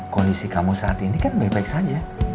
kondisi kamu saat ini kan baik baik saja